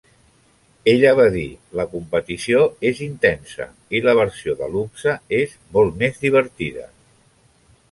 Ella va dir "la competició és intensa" i la versió deluxe "és molt més divertida.